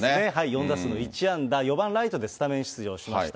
４打数の１安打、４番ライトでスタメン出場しました。